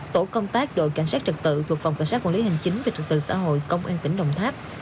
tổ công tác đội cảnh sát trật tự thuộc phòng cảnh sát quản lý hành chính về trật tự xã hội công an tỉnh đồng tháp